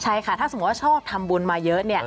ใช่ค่ะถ้าสมมุติว่าชอบทำบุญมาเยอะ